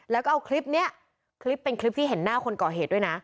แล้วก็เอาคลิปนี้คลิปเป็นคลิปที่เห็นหน้าคนก่อเหตุด้วยนะ